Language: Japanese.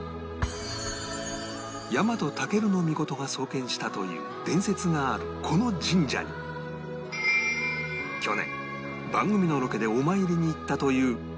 日本武尊が創建したという伝説があるこの神社に去年番組のロケでお参りに行ったという一茂さんと高橋さん